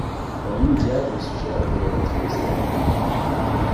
Dans l’immédiat, je suggère le retrait de cet amendement.